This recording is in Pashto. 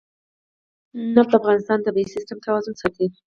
نفت د افغانستان د طبعي سیسټم توازن ساتي.